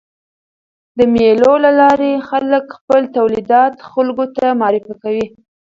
د مېلو له لاري خلک خپل تولیدات خلکو ته معرفي کوي.